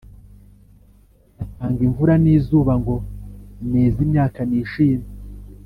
Atanga imvura n’izuba ngo neze imyaka nishime